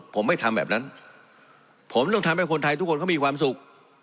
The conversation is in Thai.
ผมไม่ทำแบบนั้นผมต้องทำให้คนไทยทุกคนเขามีความสุข